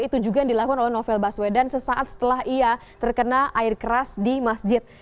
itu juga yang dilakukan oleh novel baswedan sesaat setelah ia terkena air keras di masjid